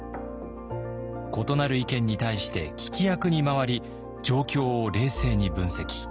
異なる意見に対して聞き役に回り状況を冷静に分析。